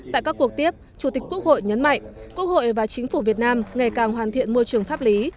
tại các cuộc tiếp chủ tịch quốc hội nhấn mạnh quốc hội và chính phủ việt nam ngày càng hoàn thiện môi trường pháp lý